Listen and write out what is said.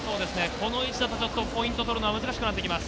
この位置だとポイントを取るのは難しくなってきます。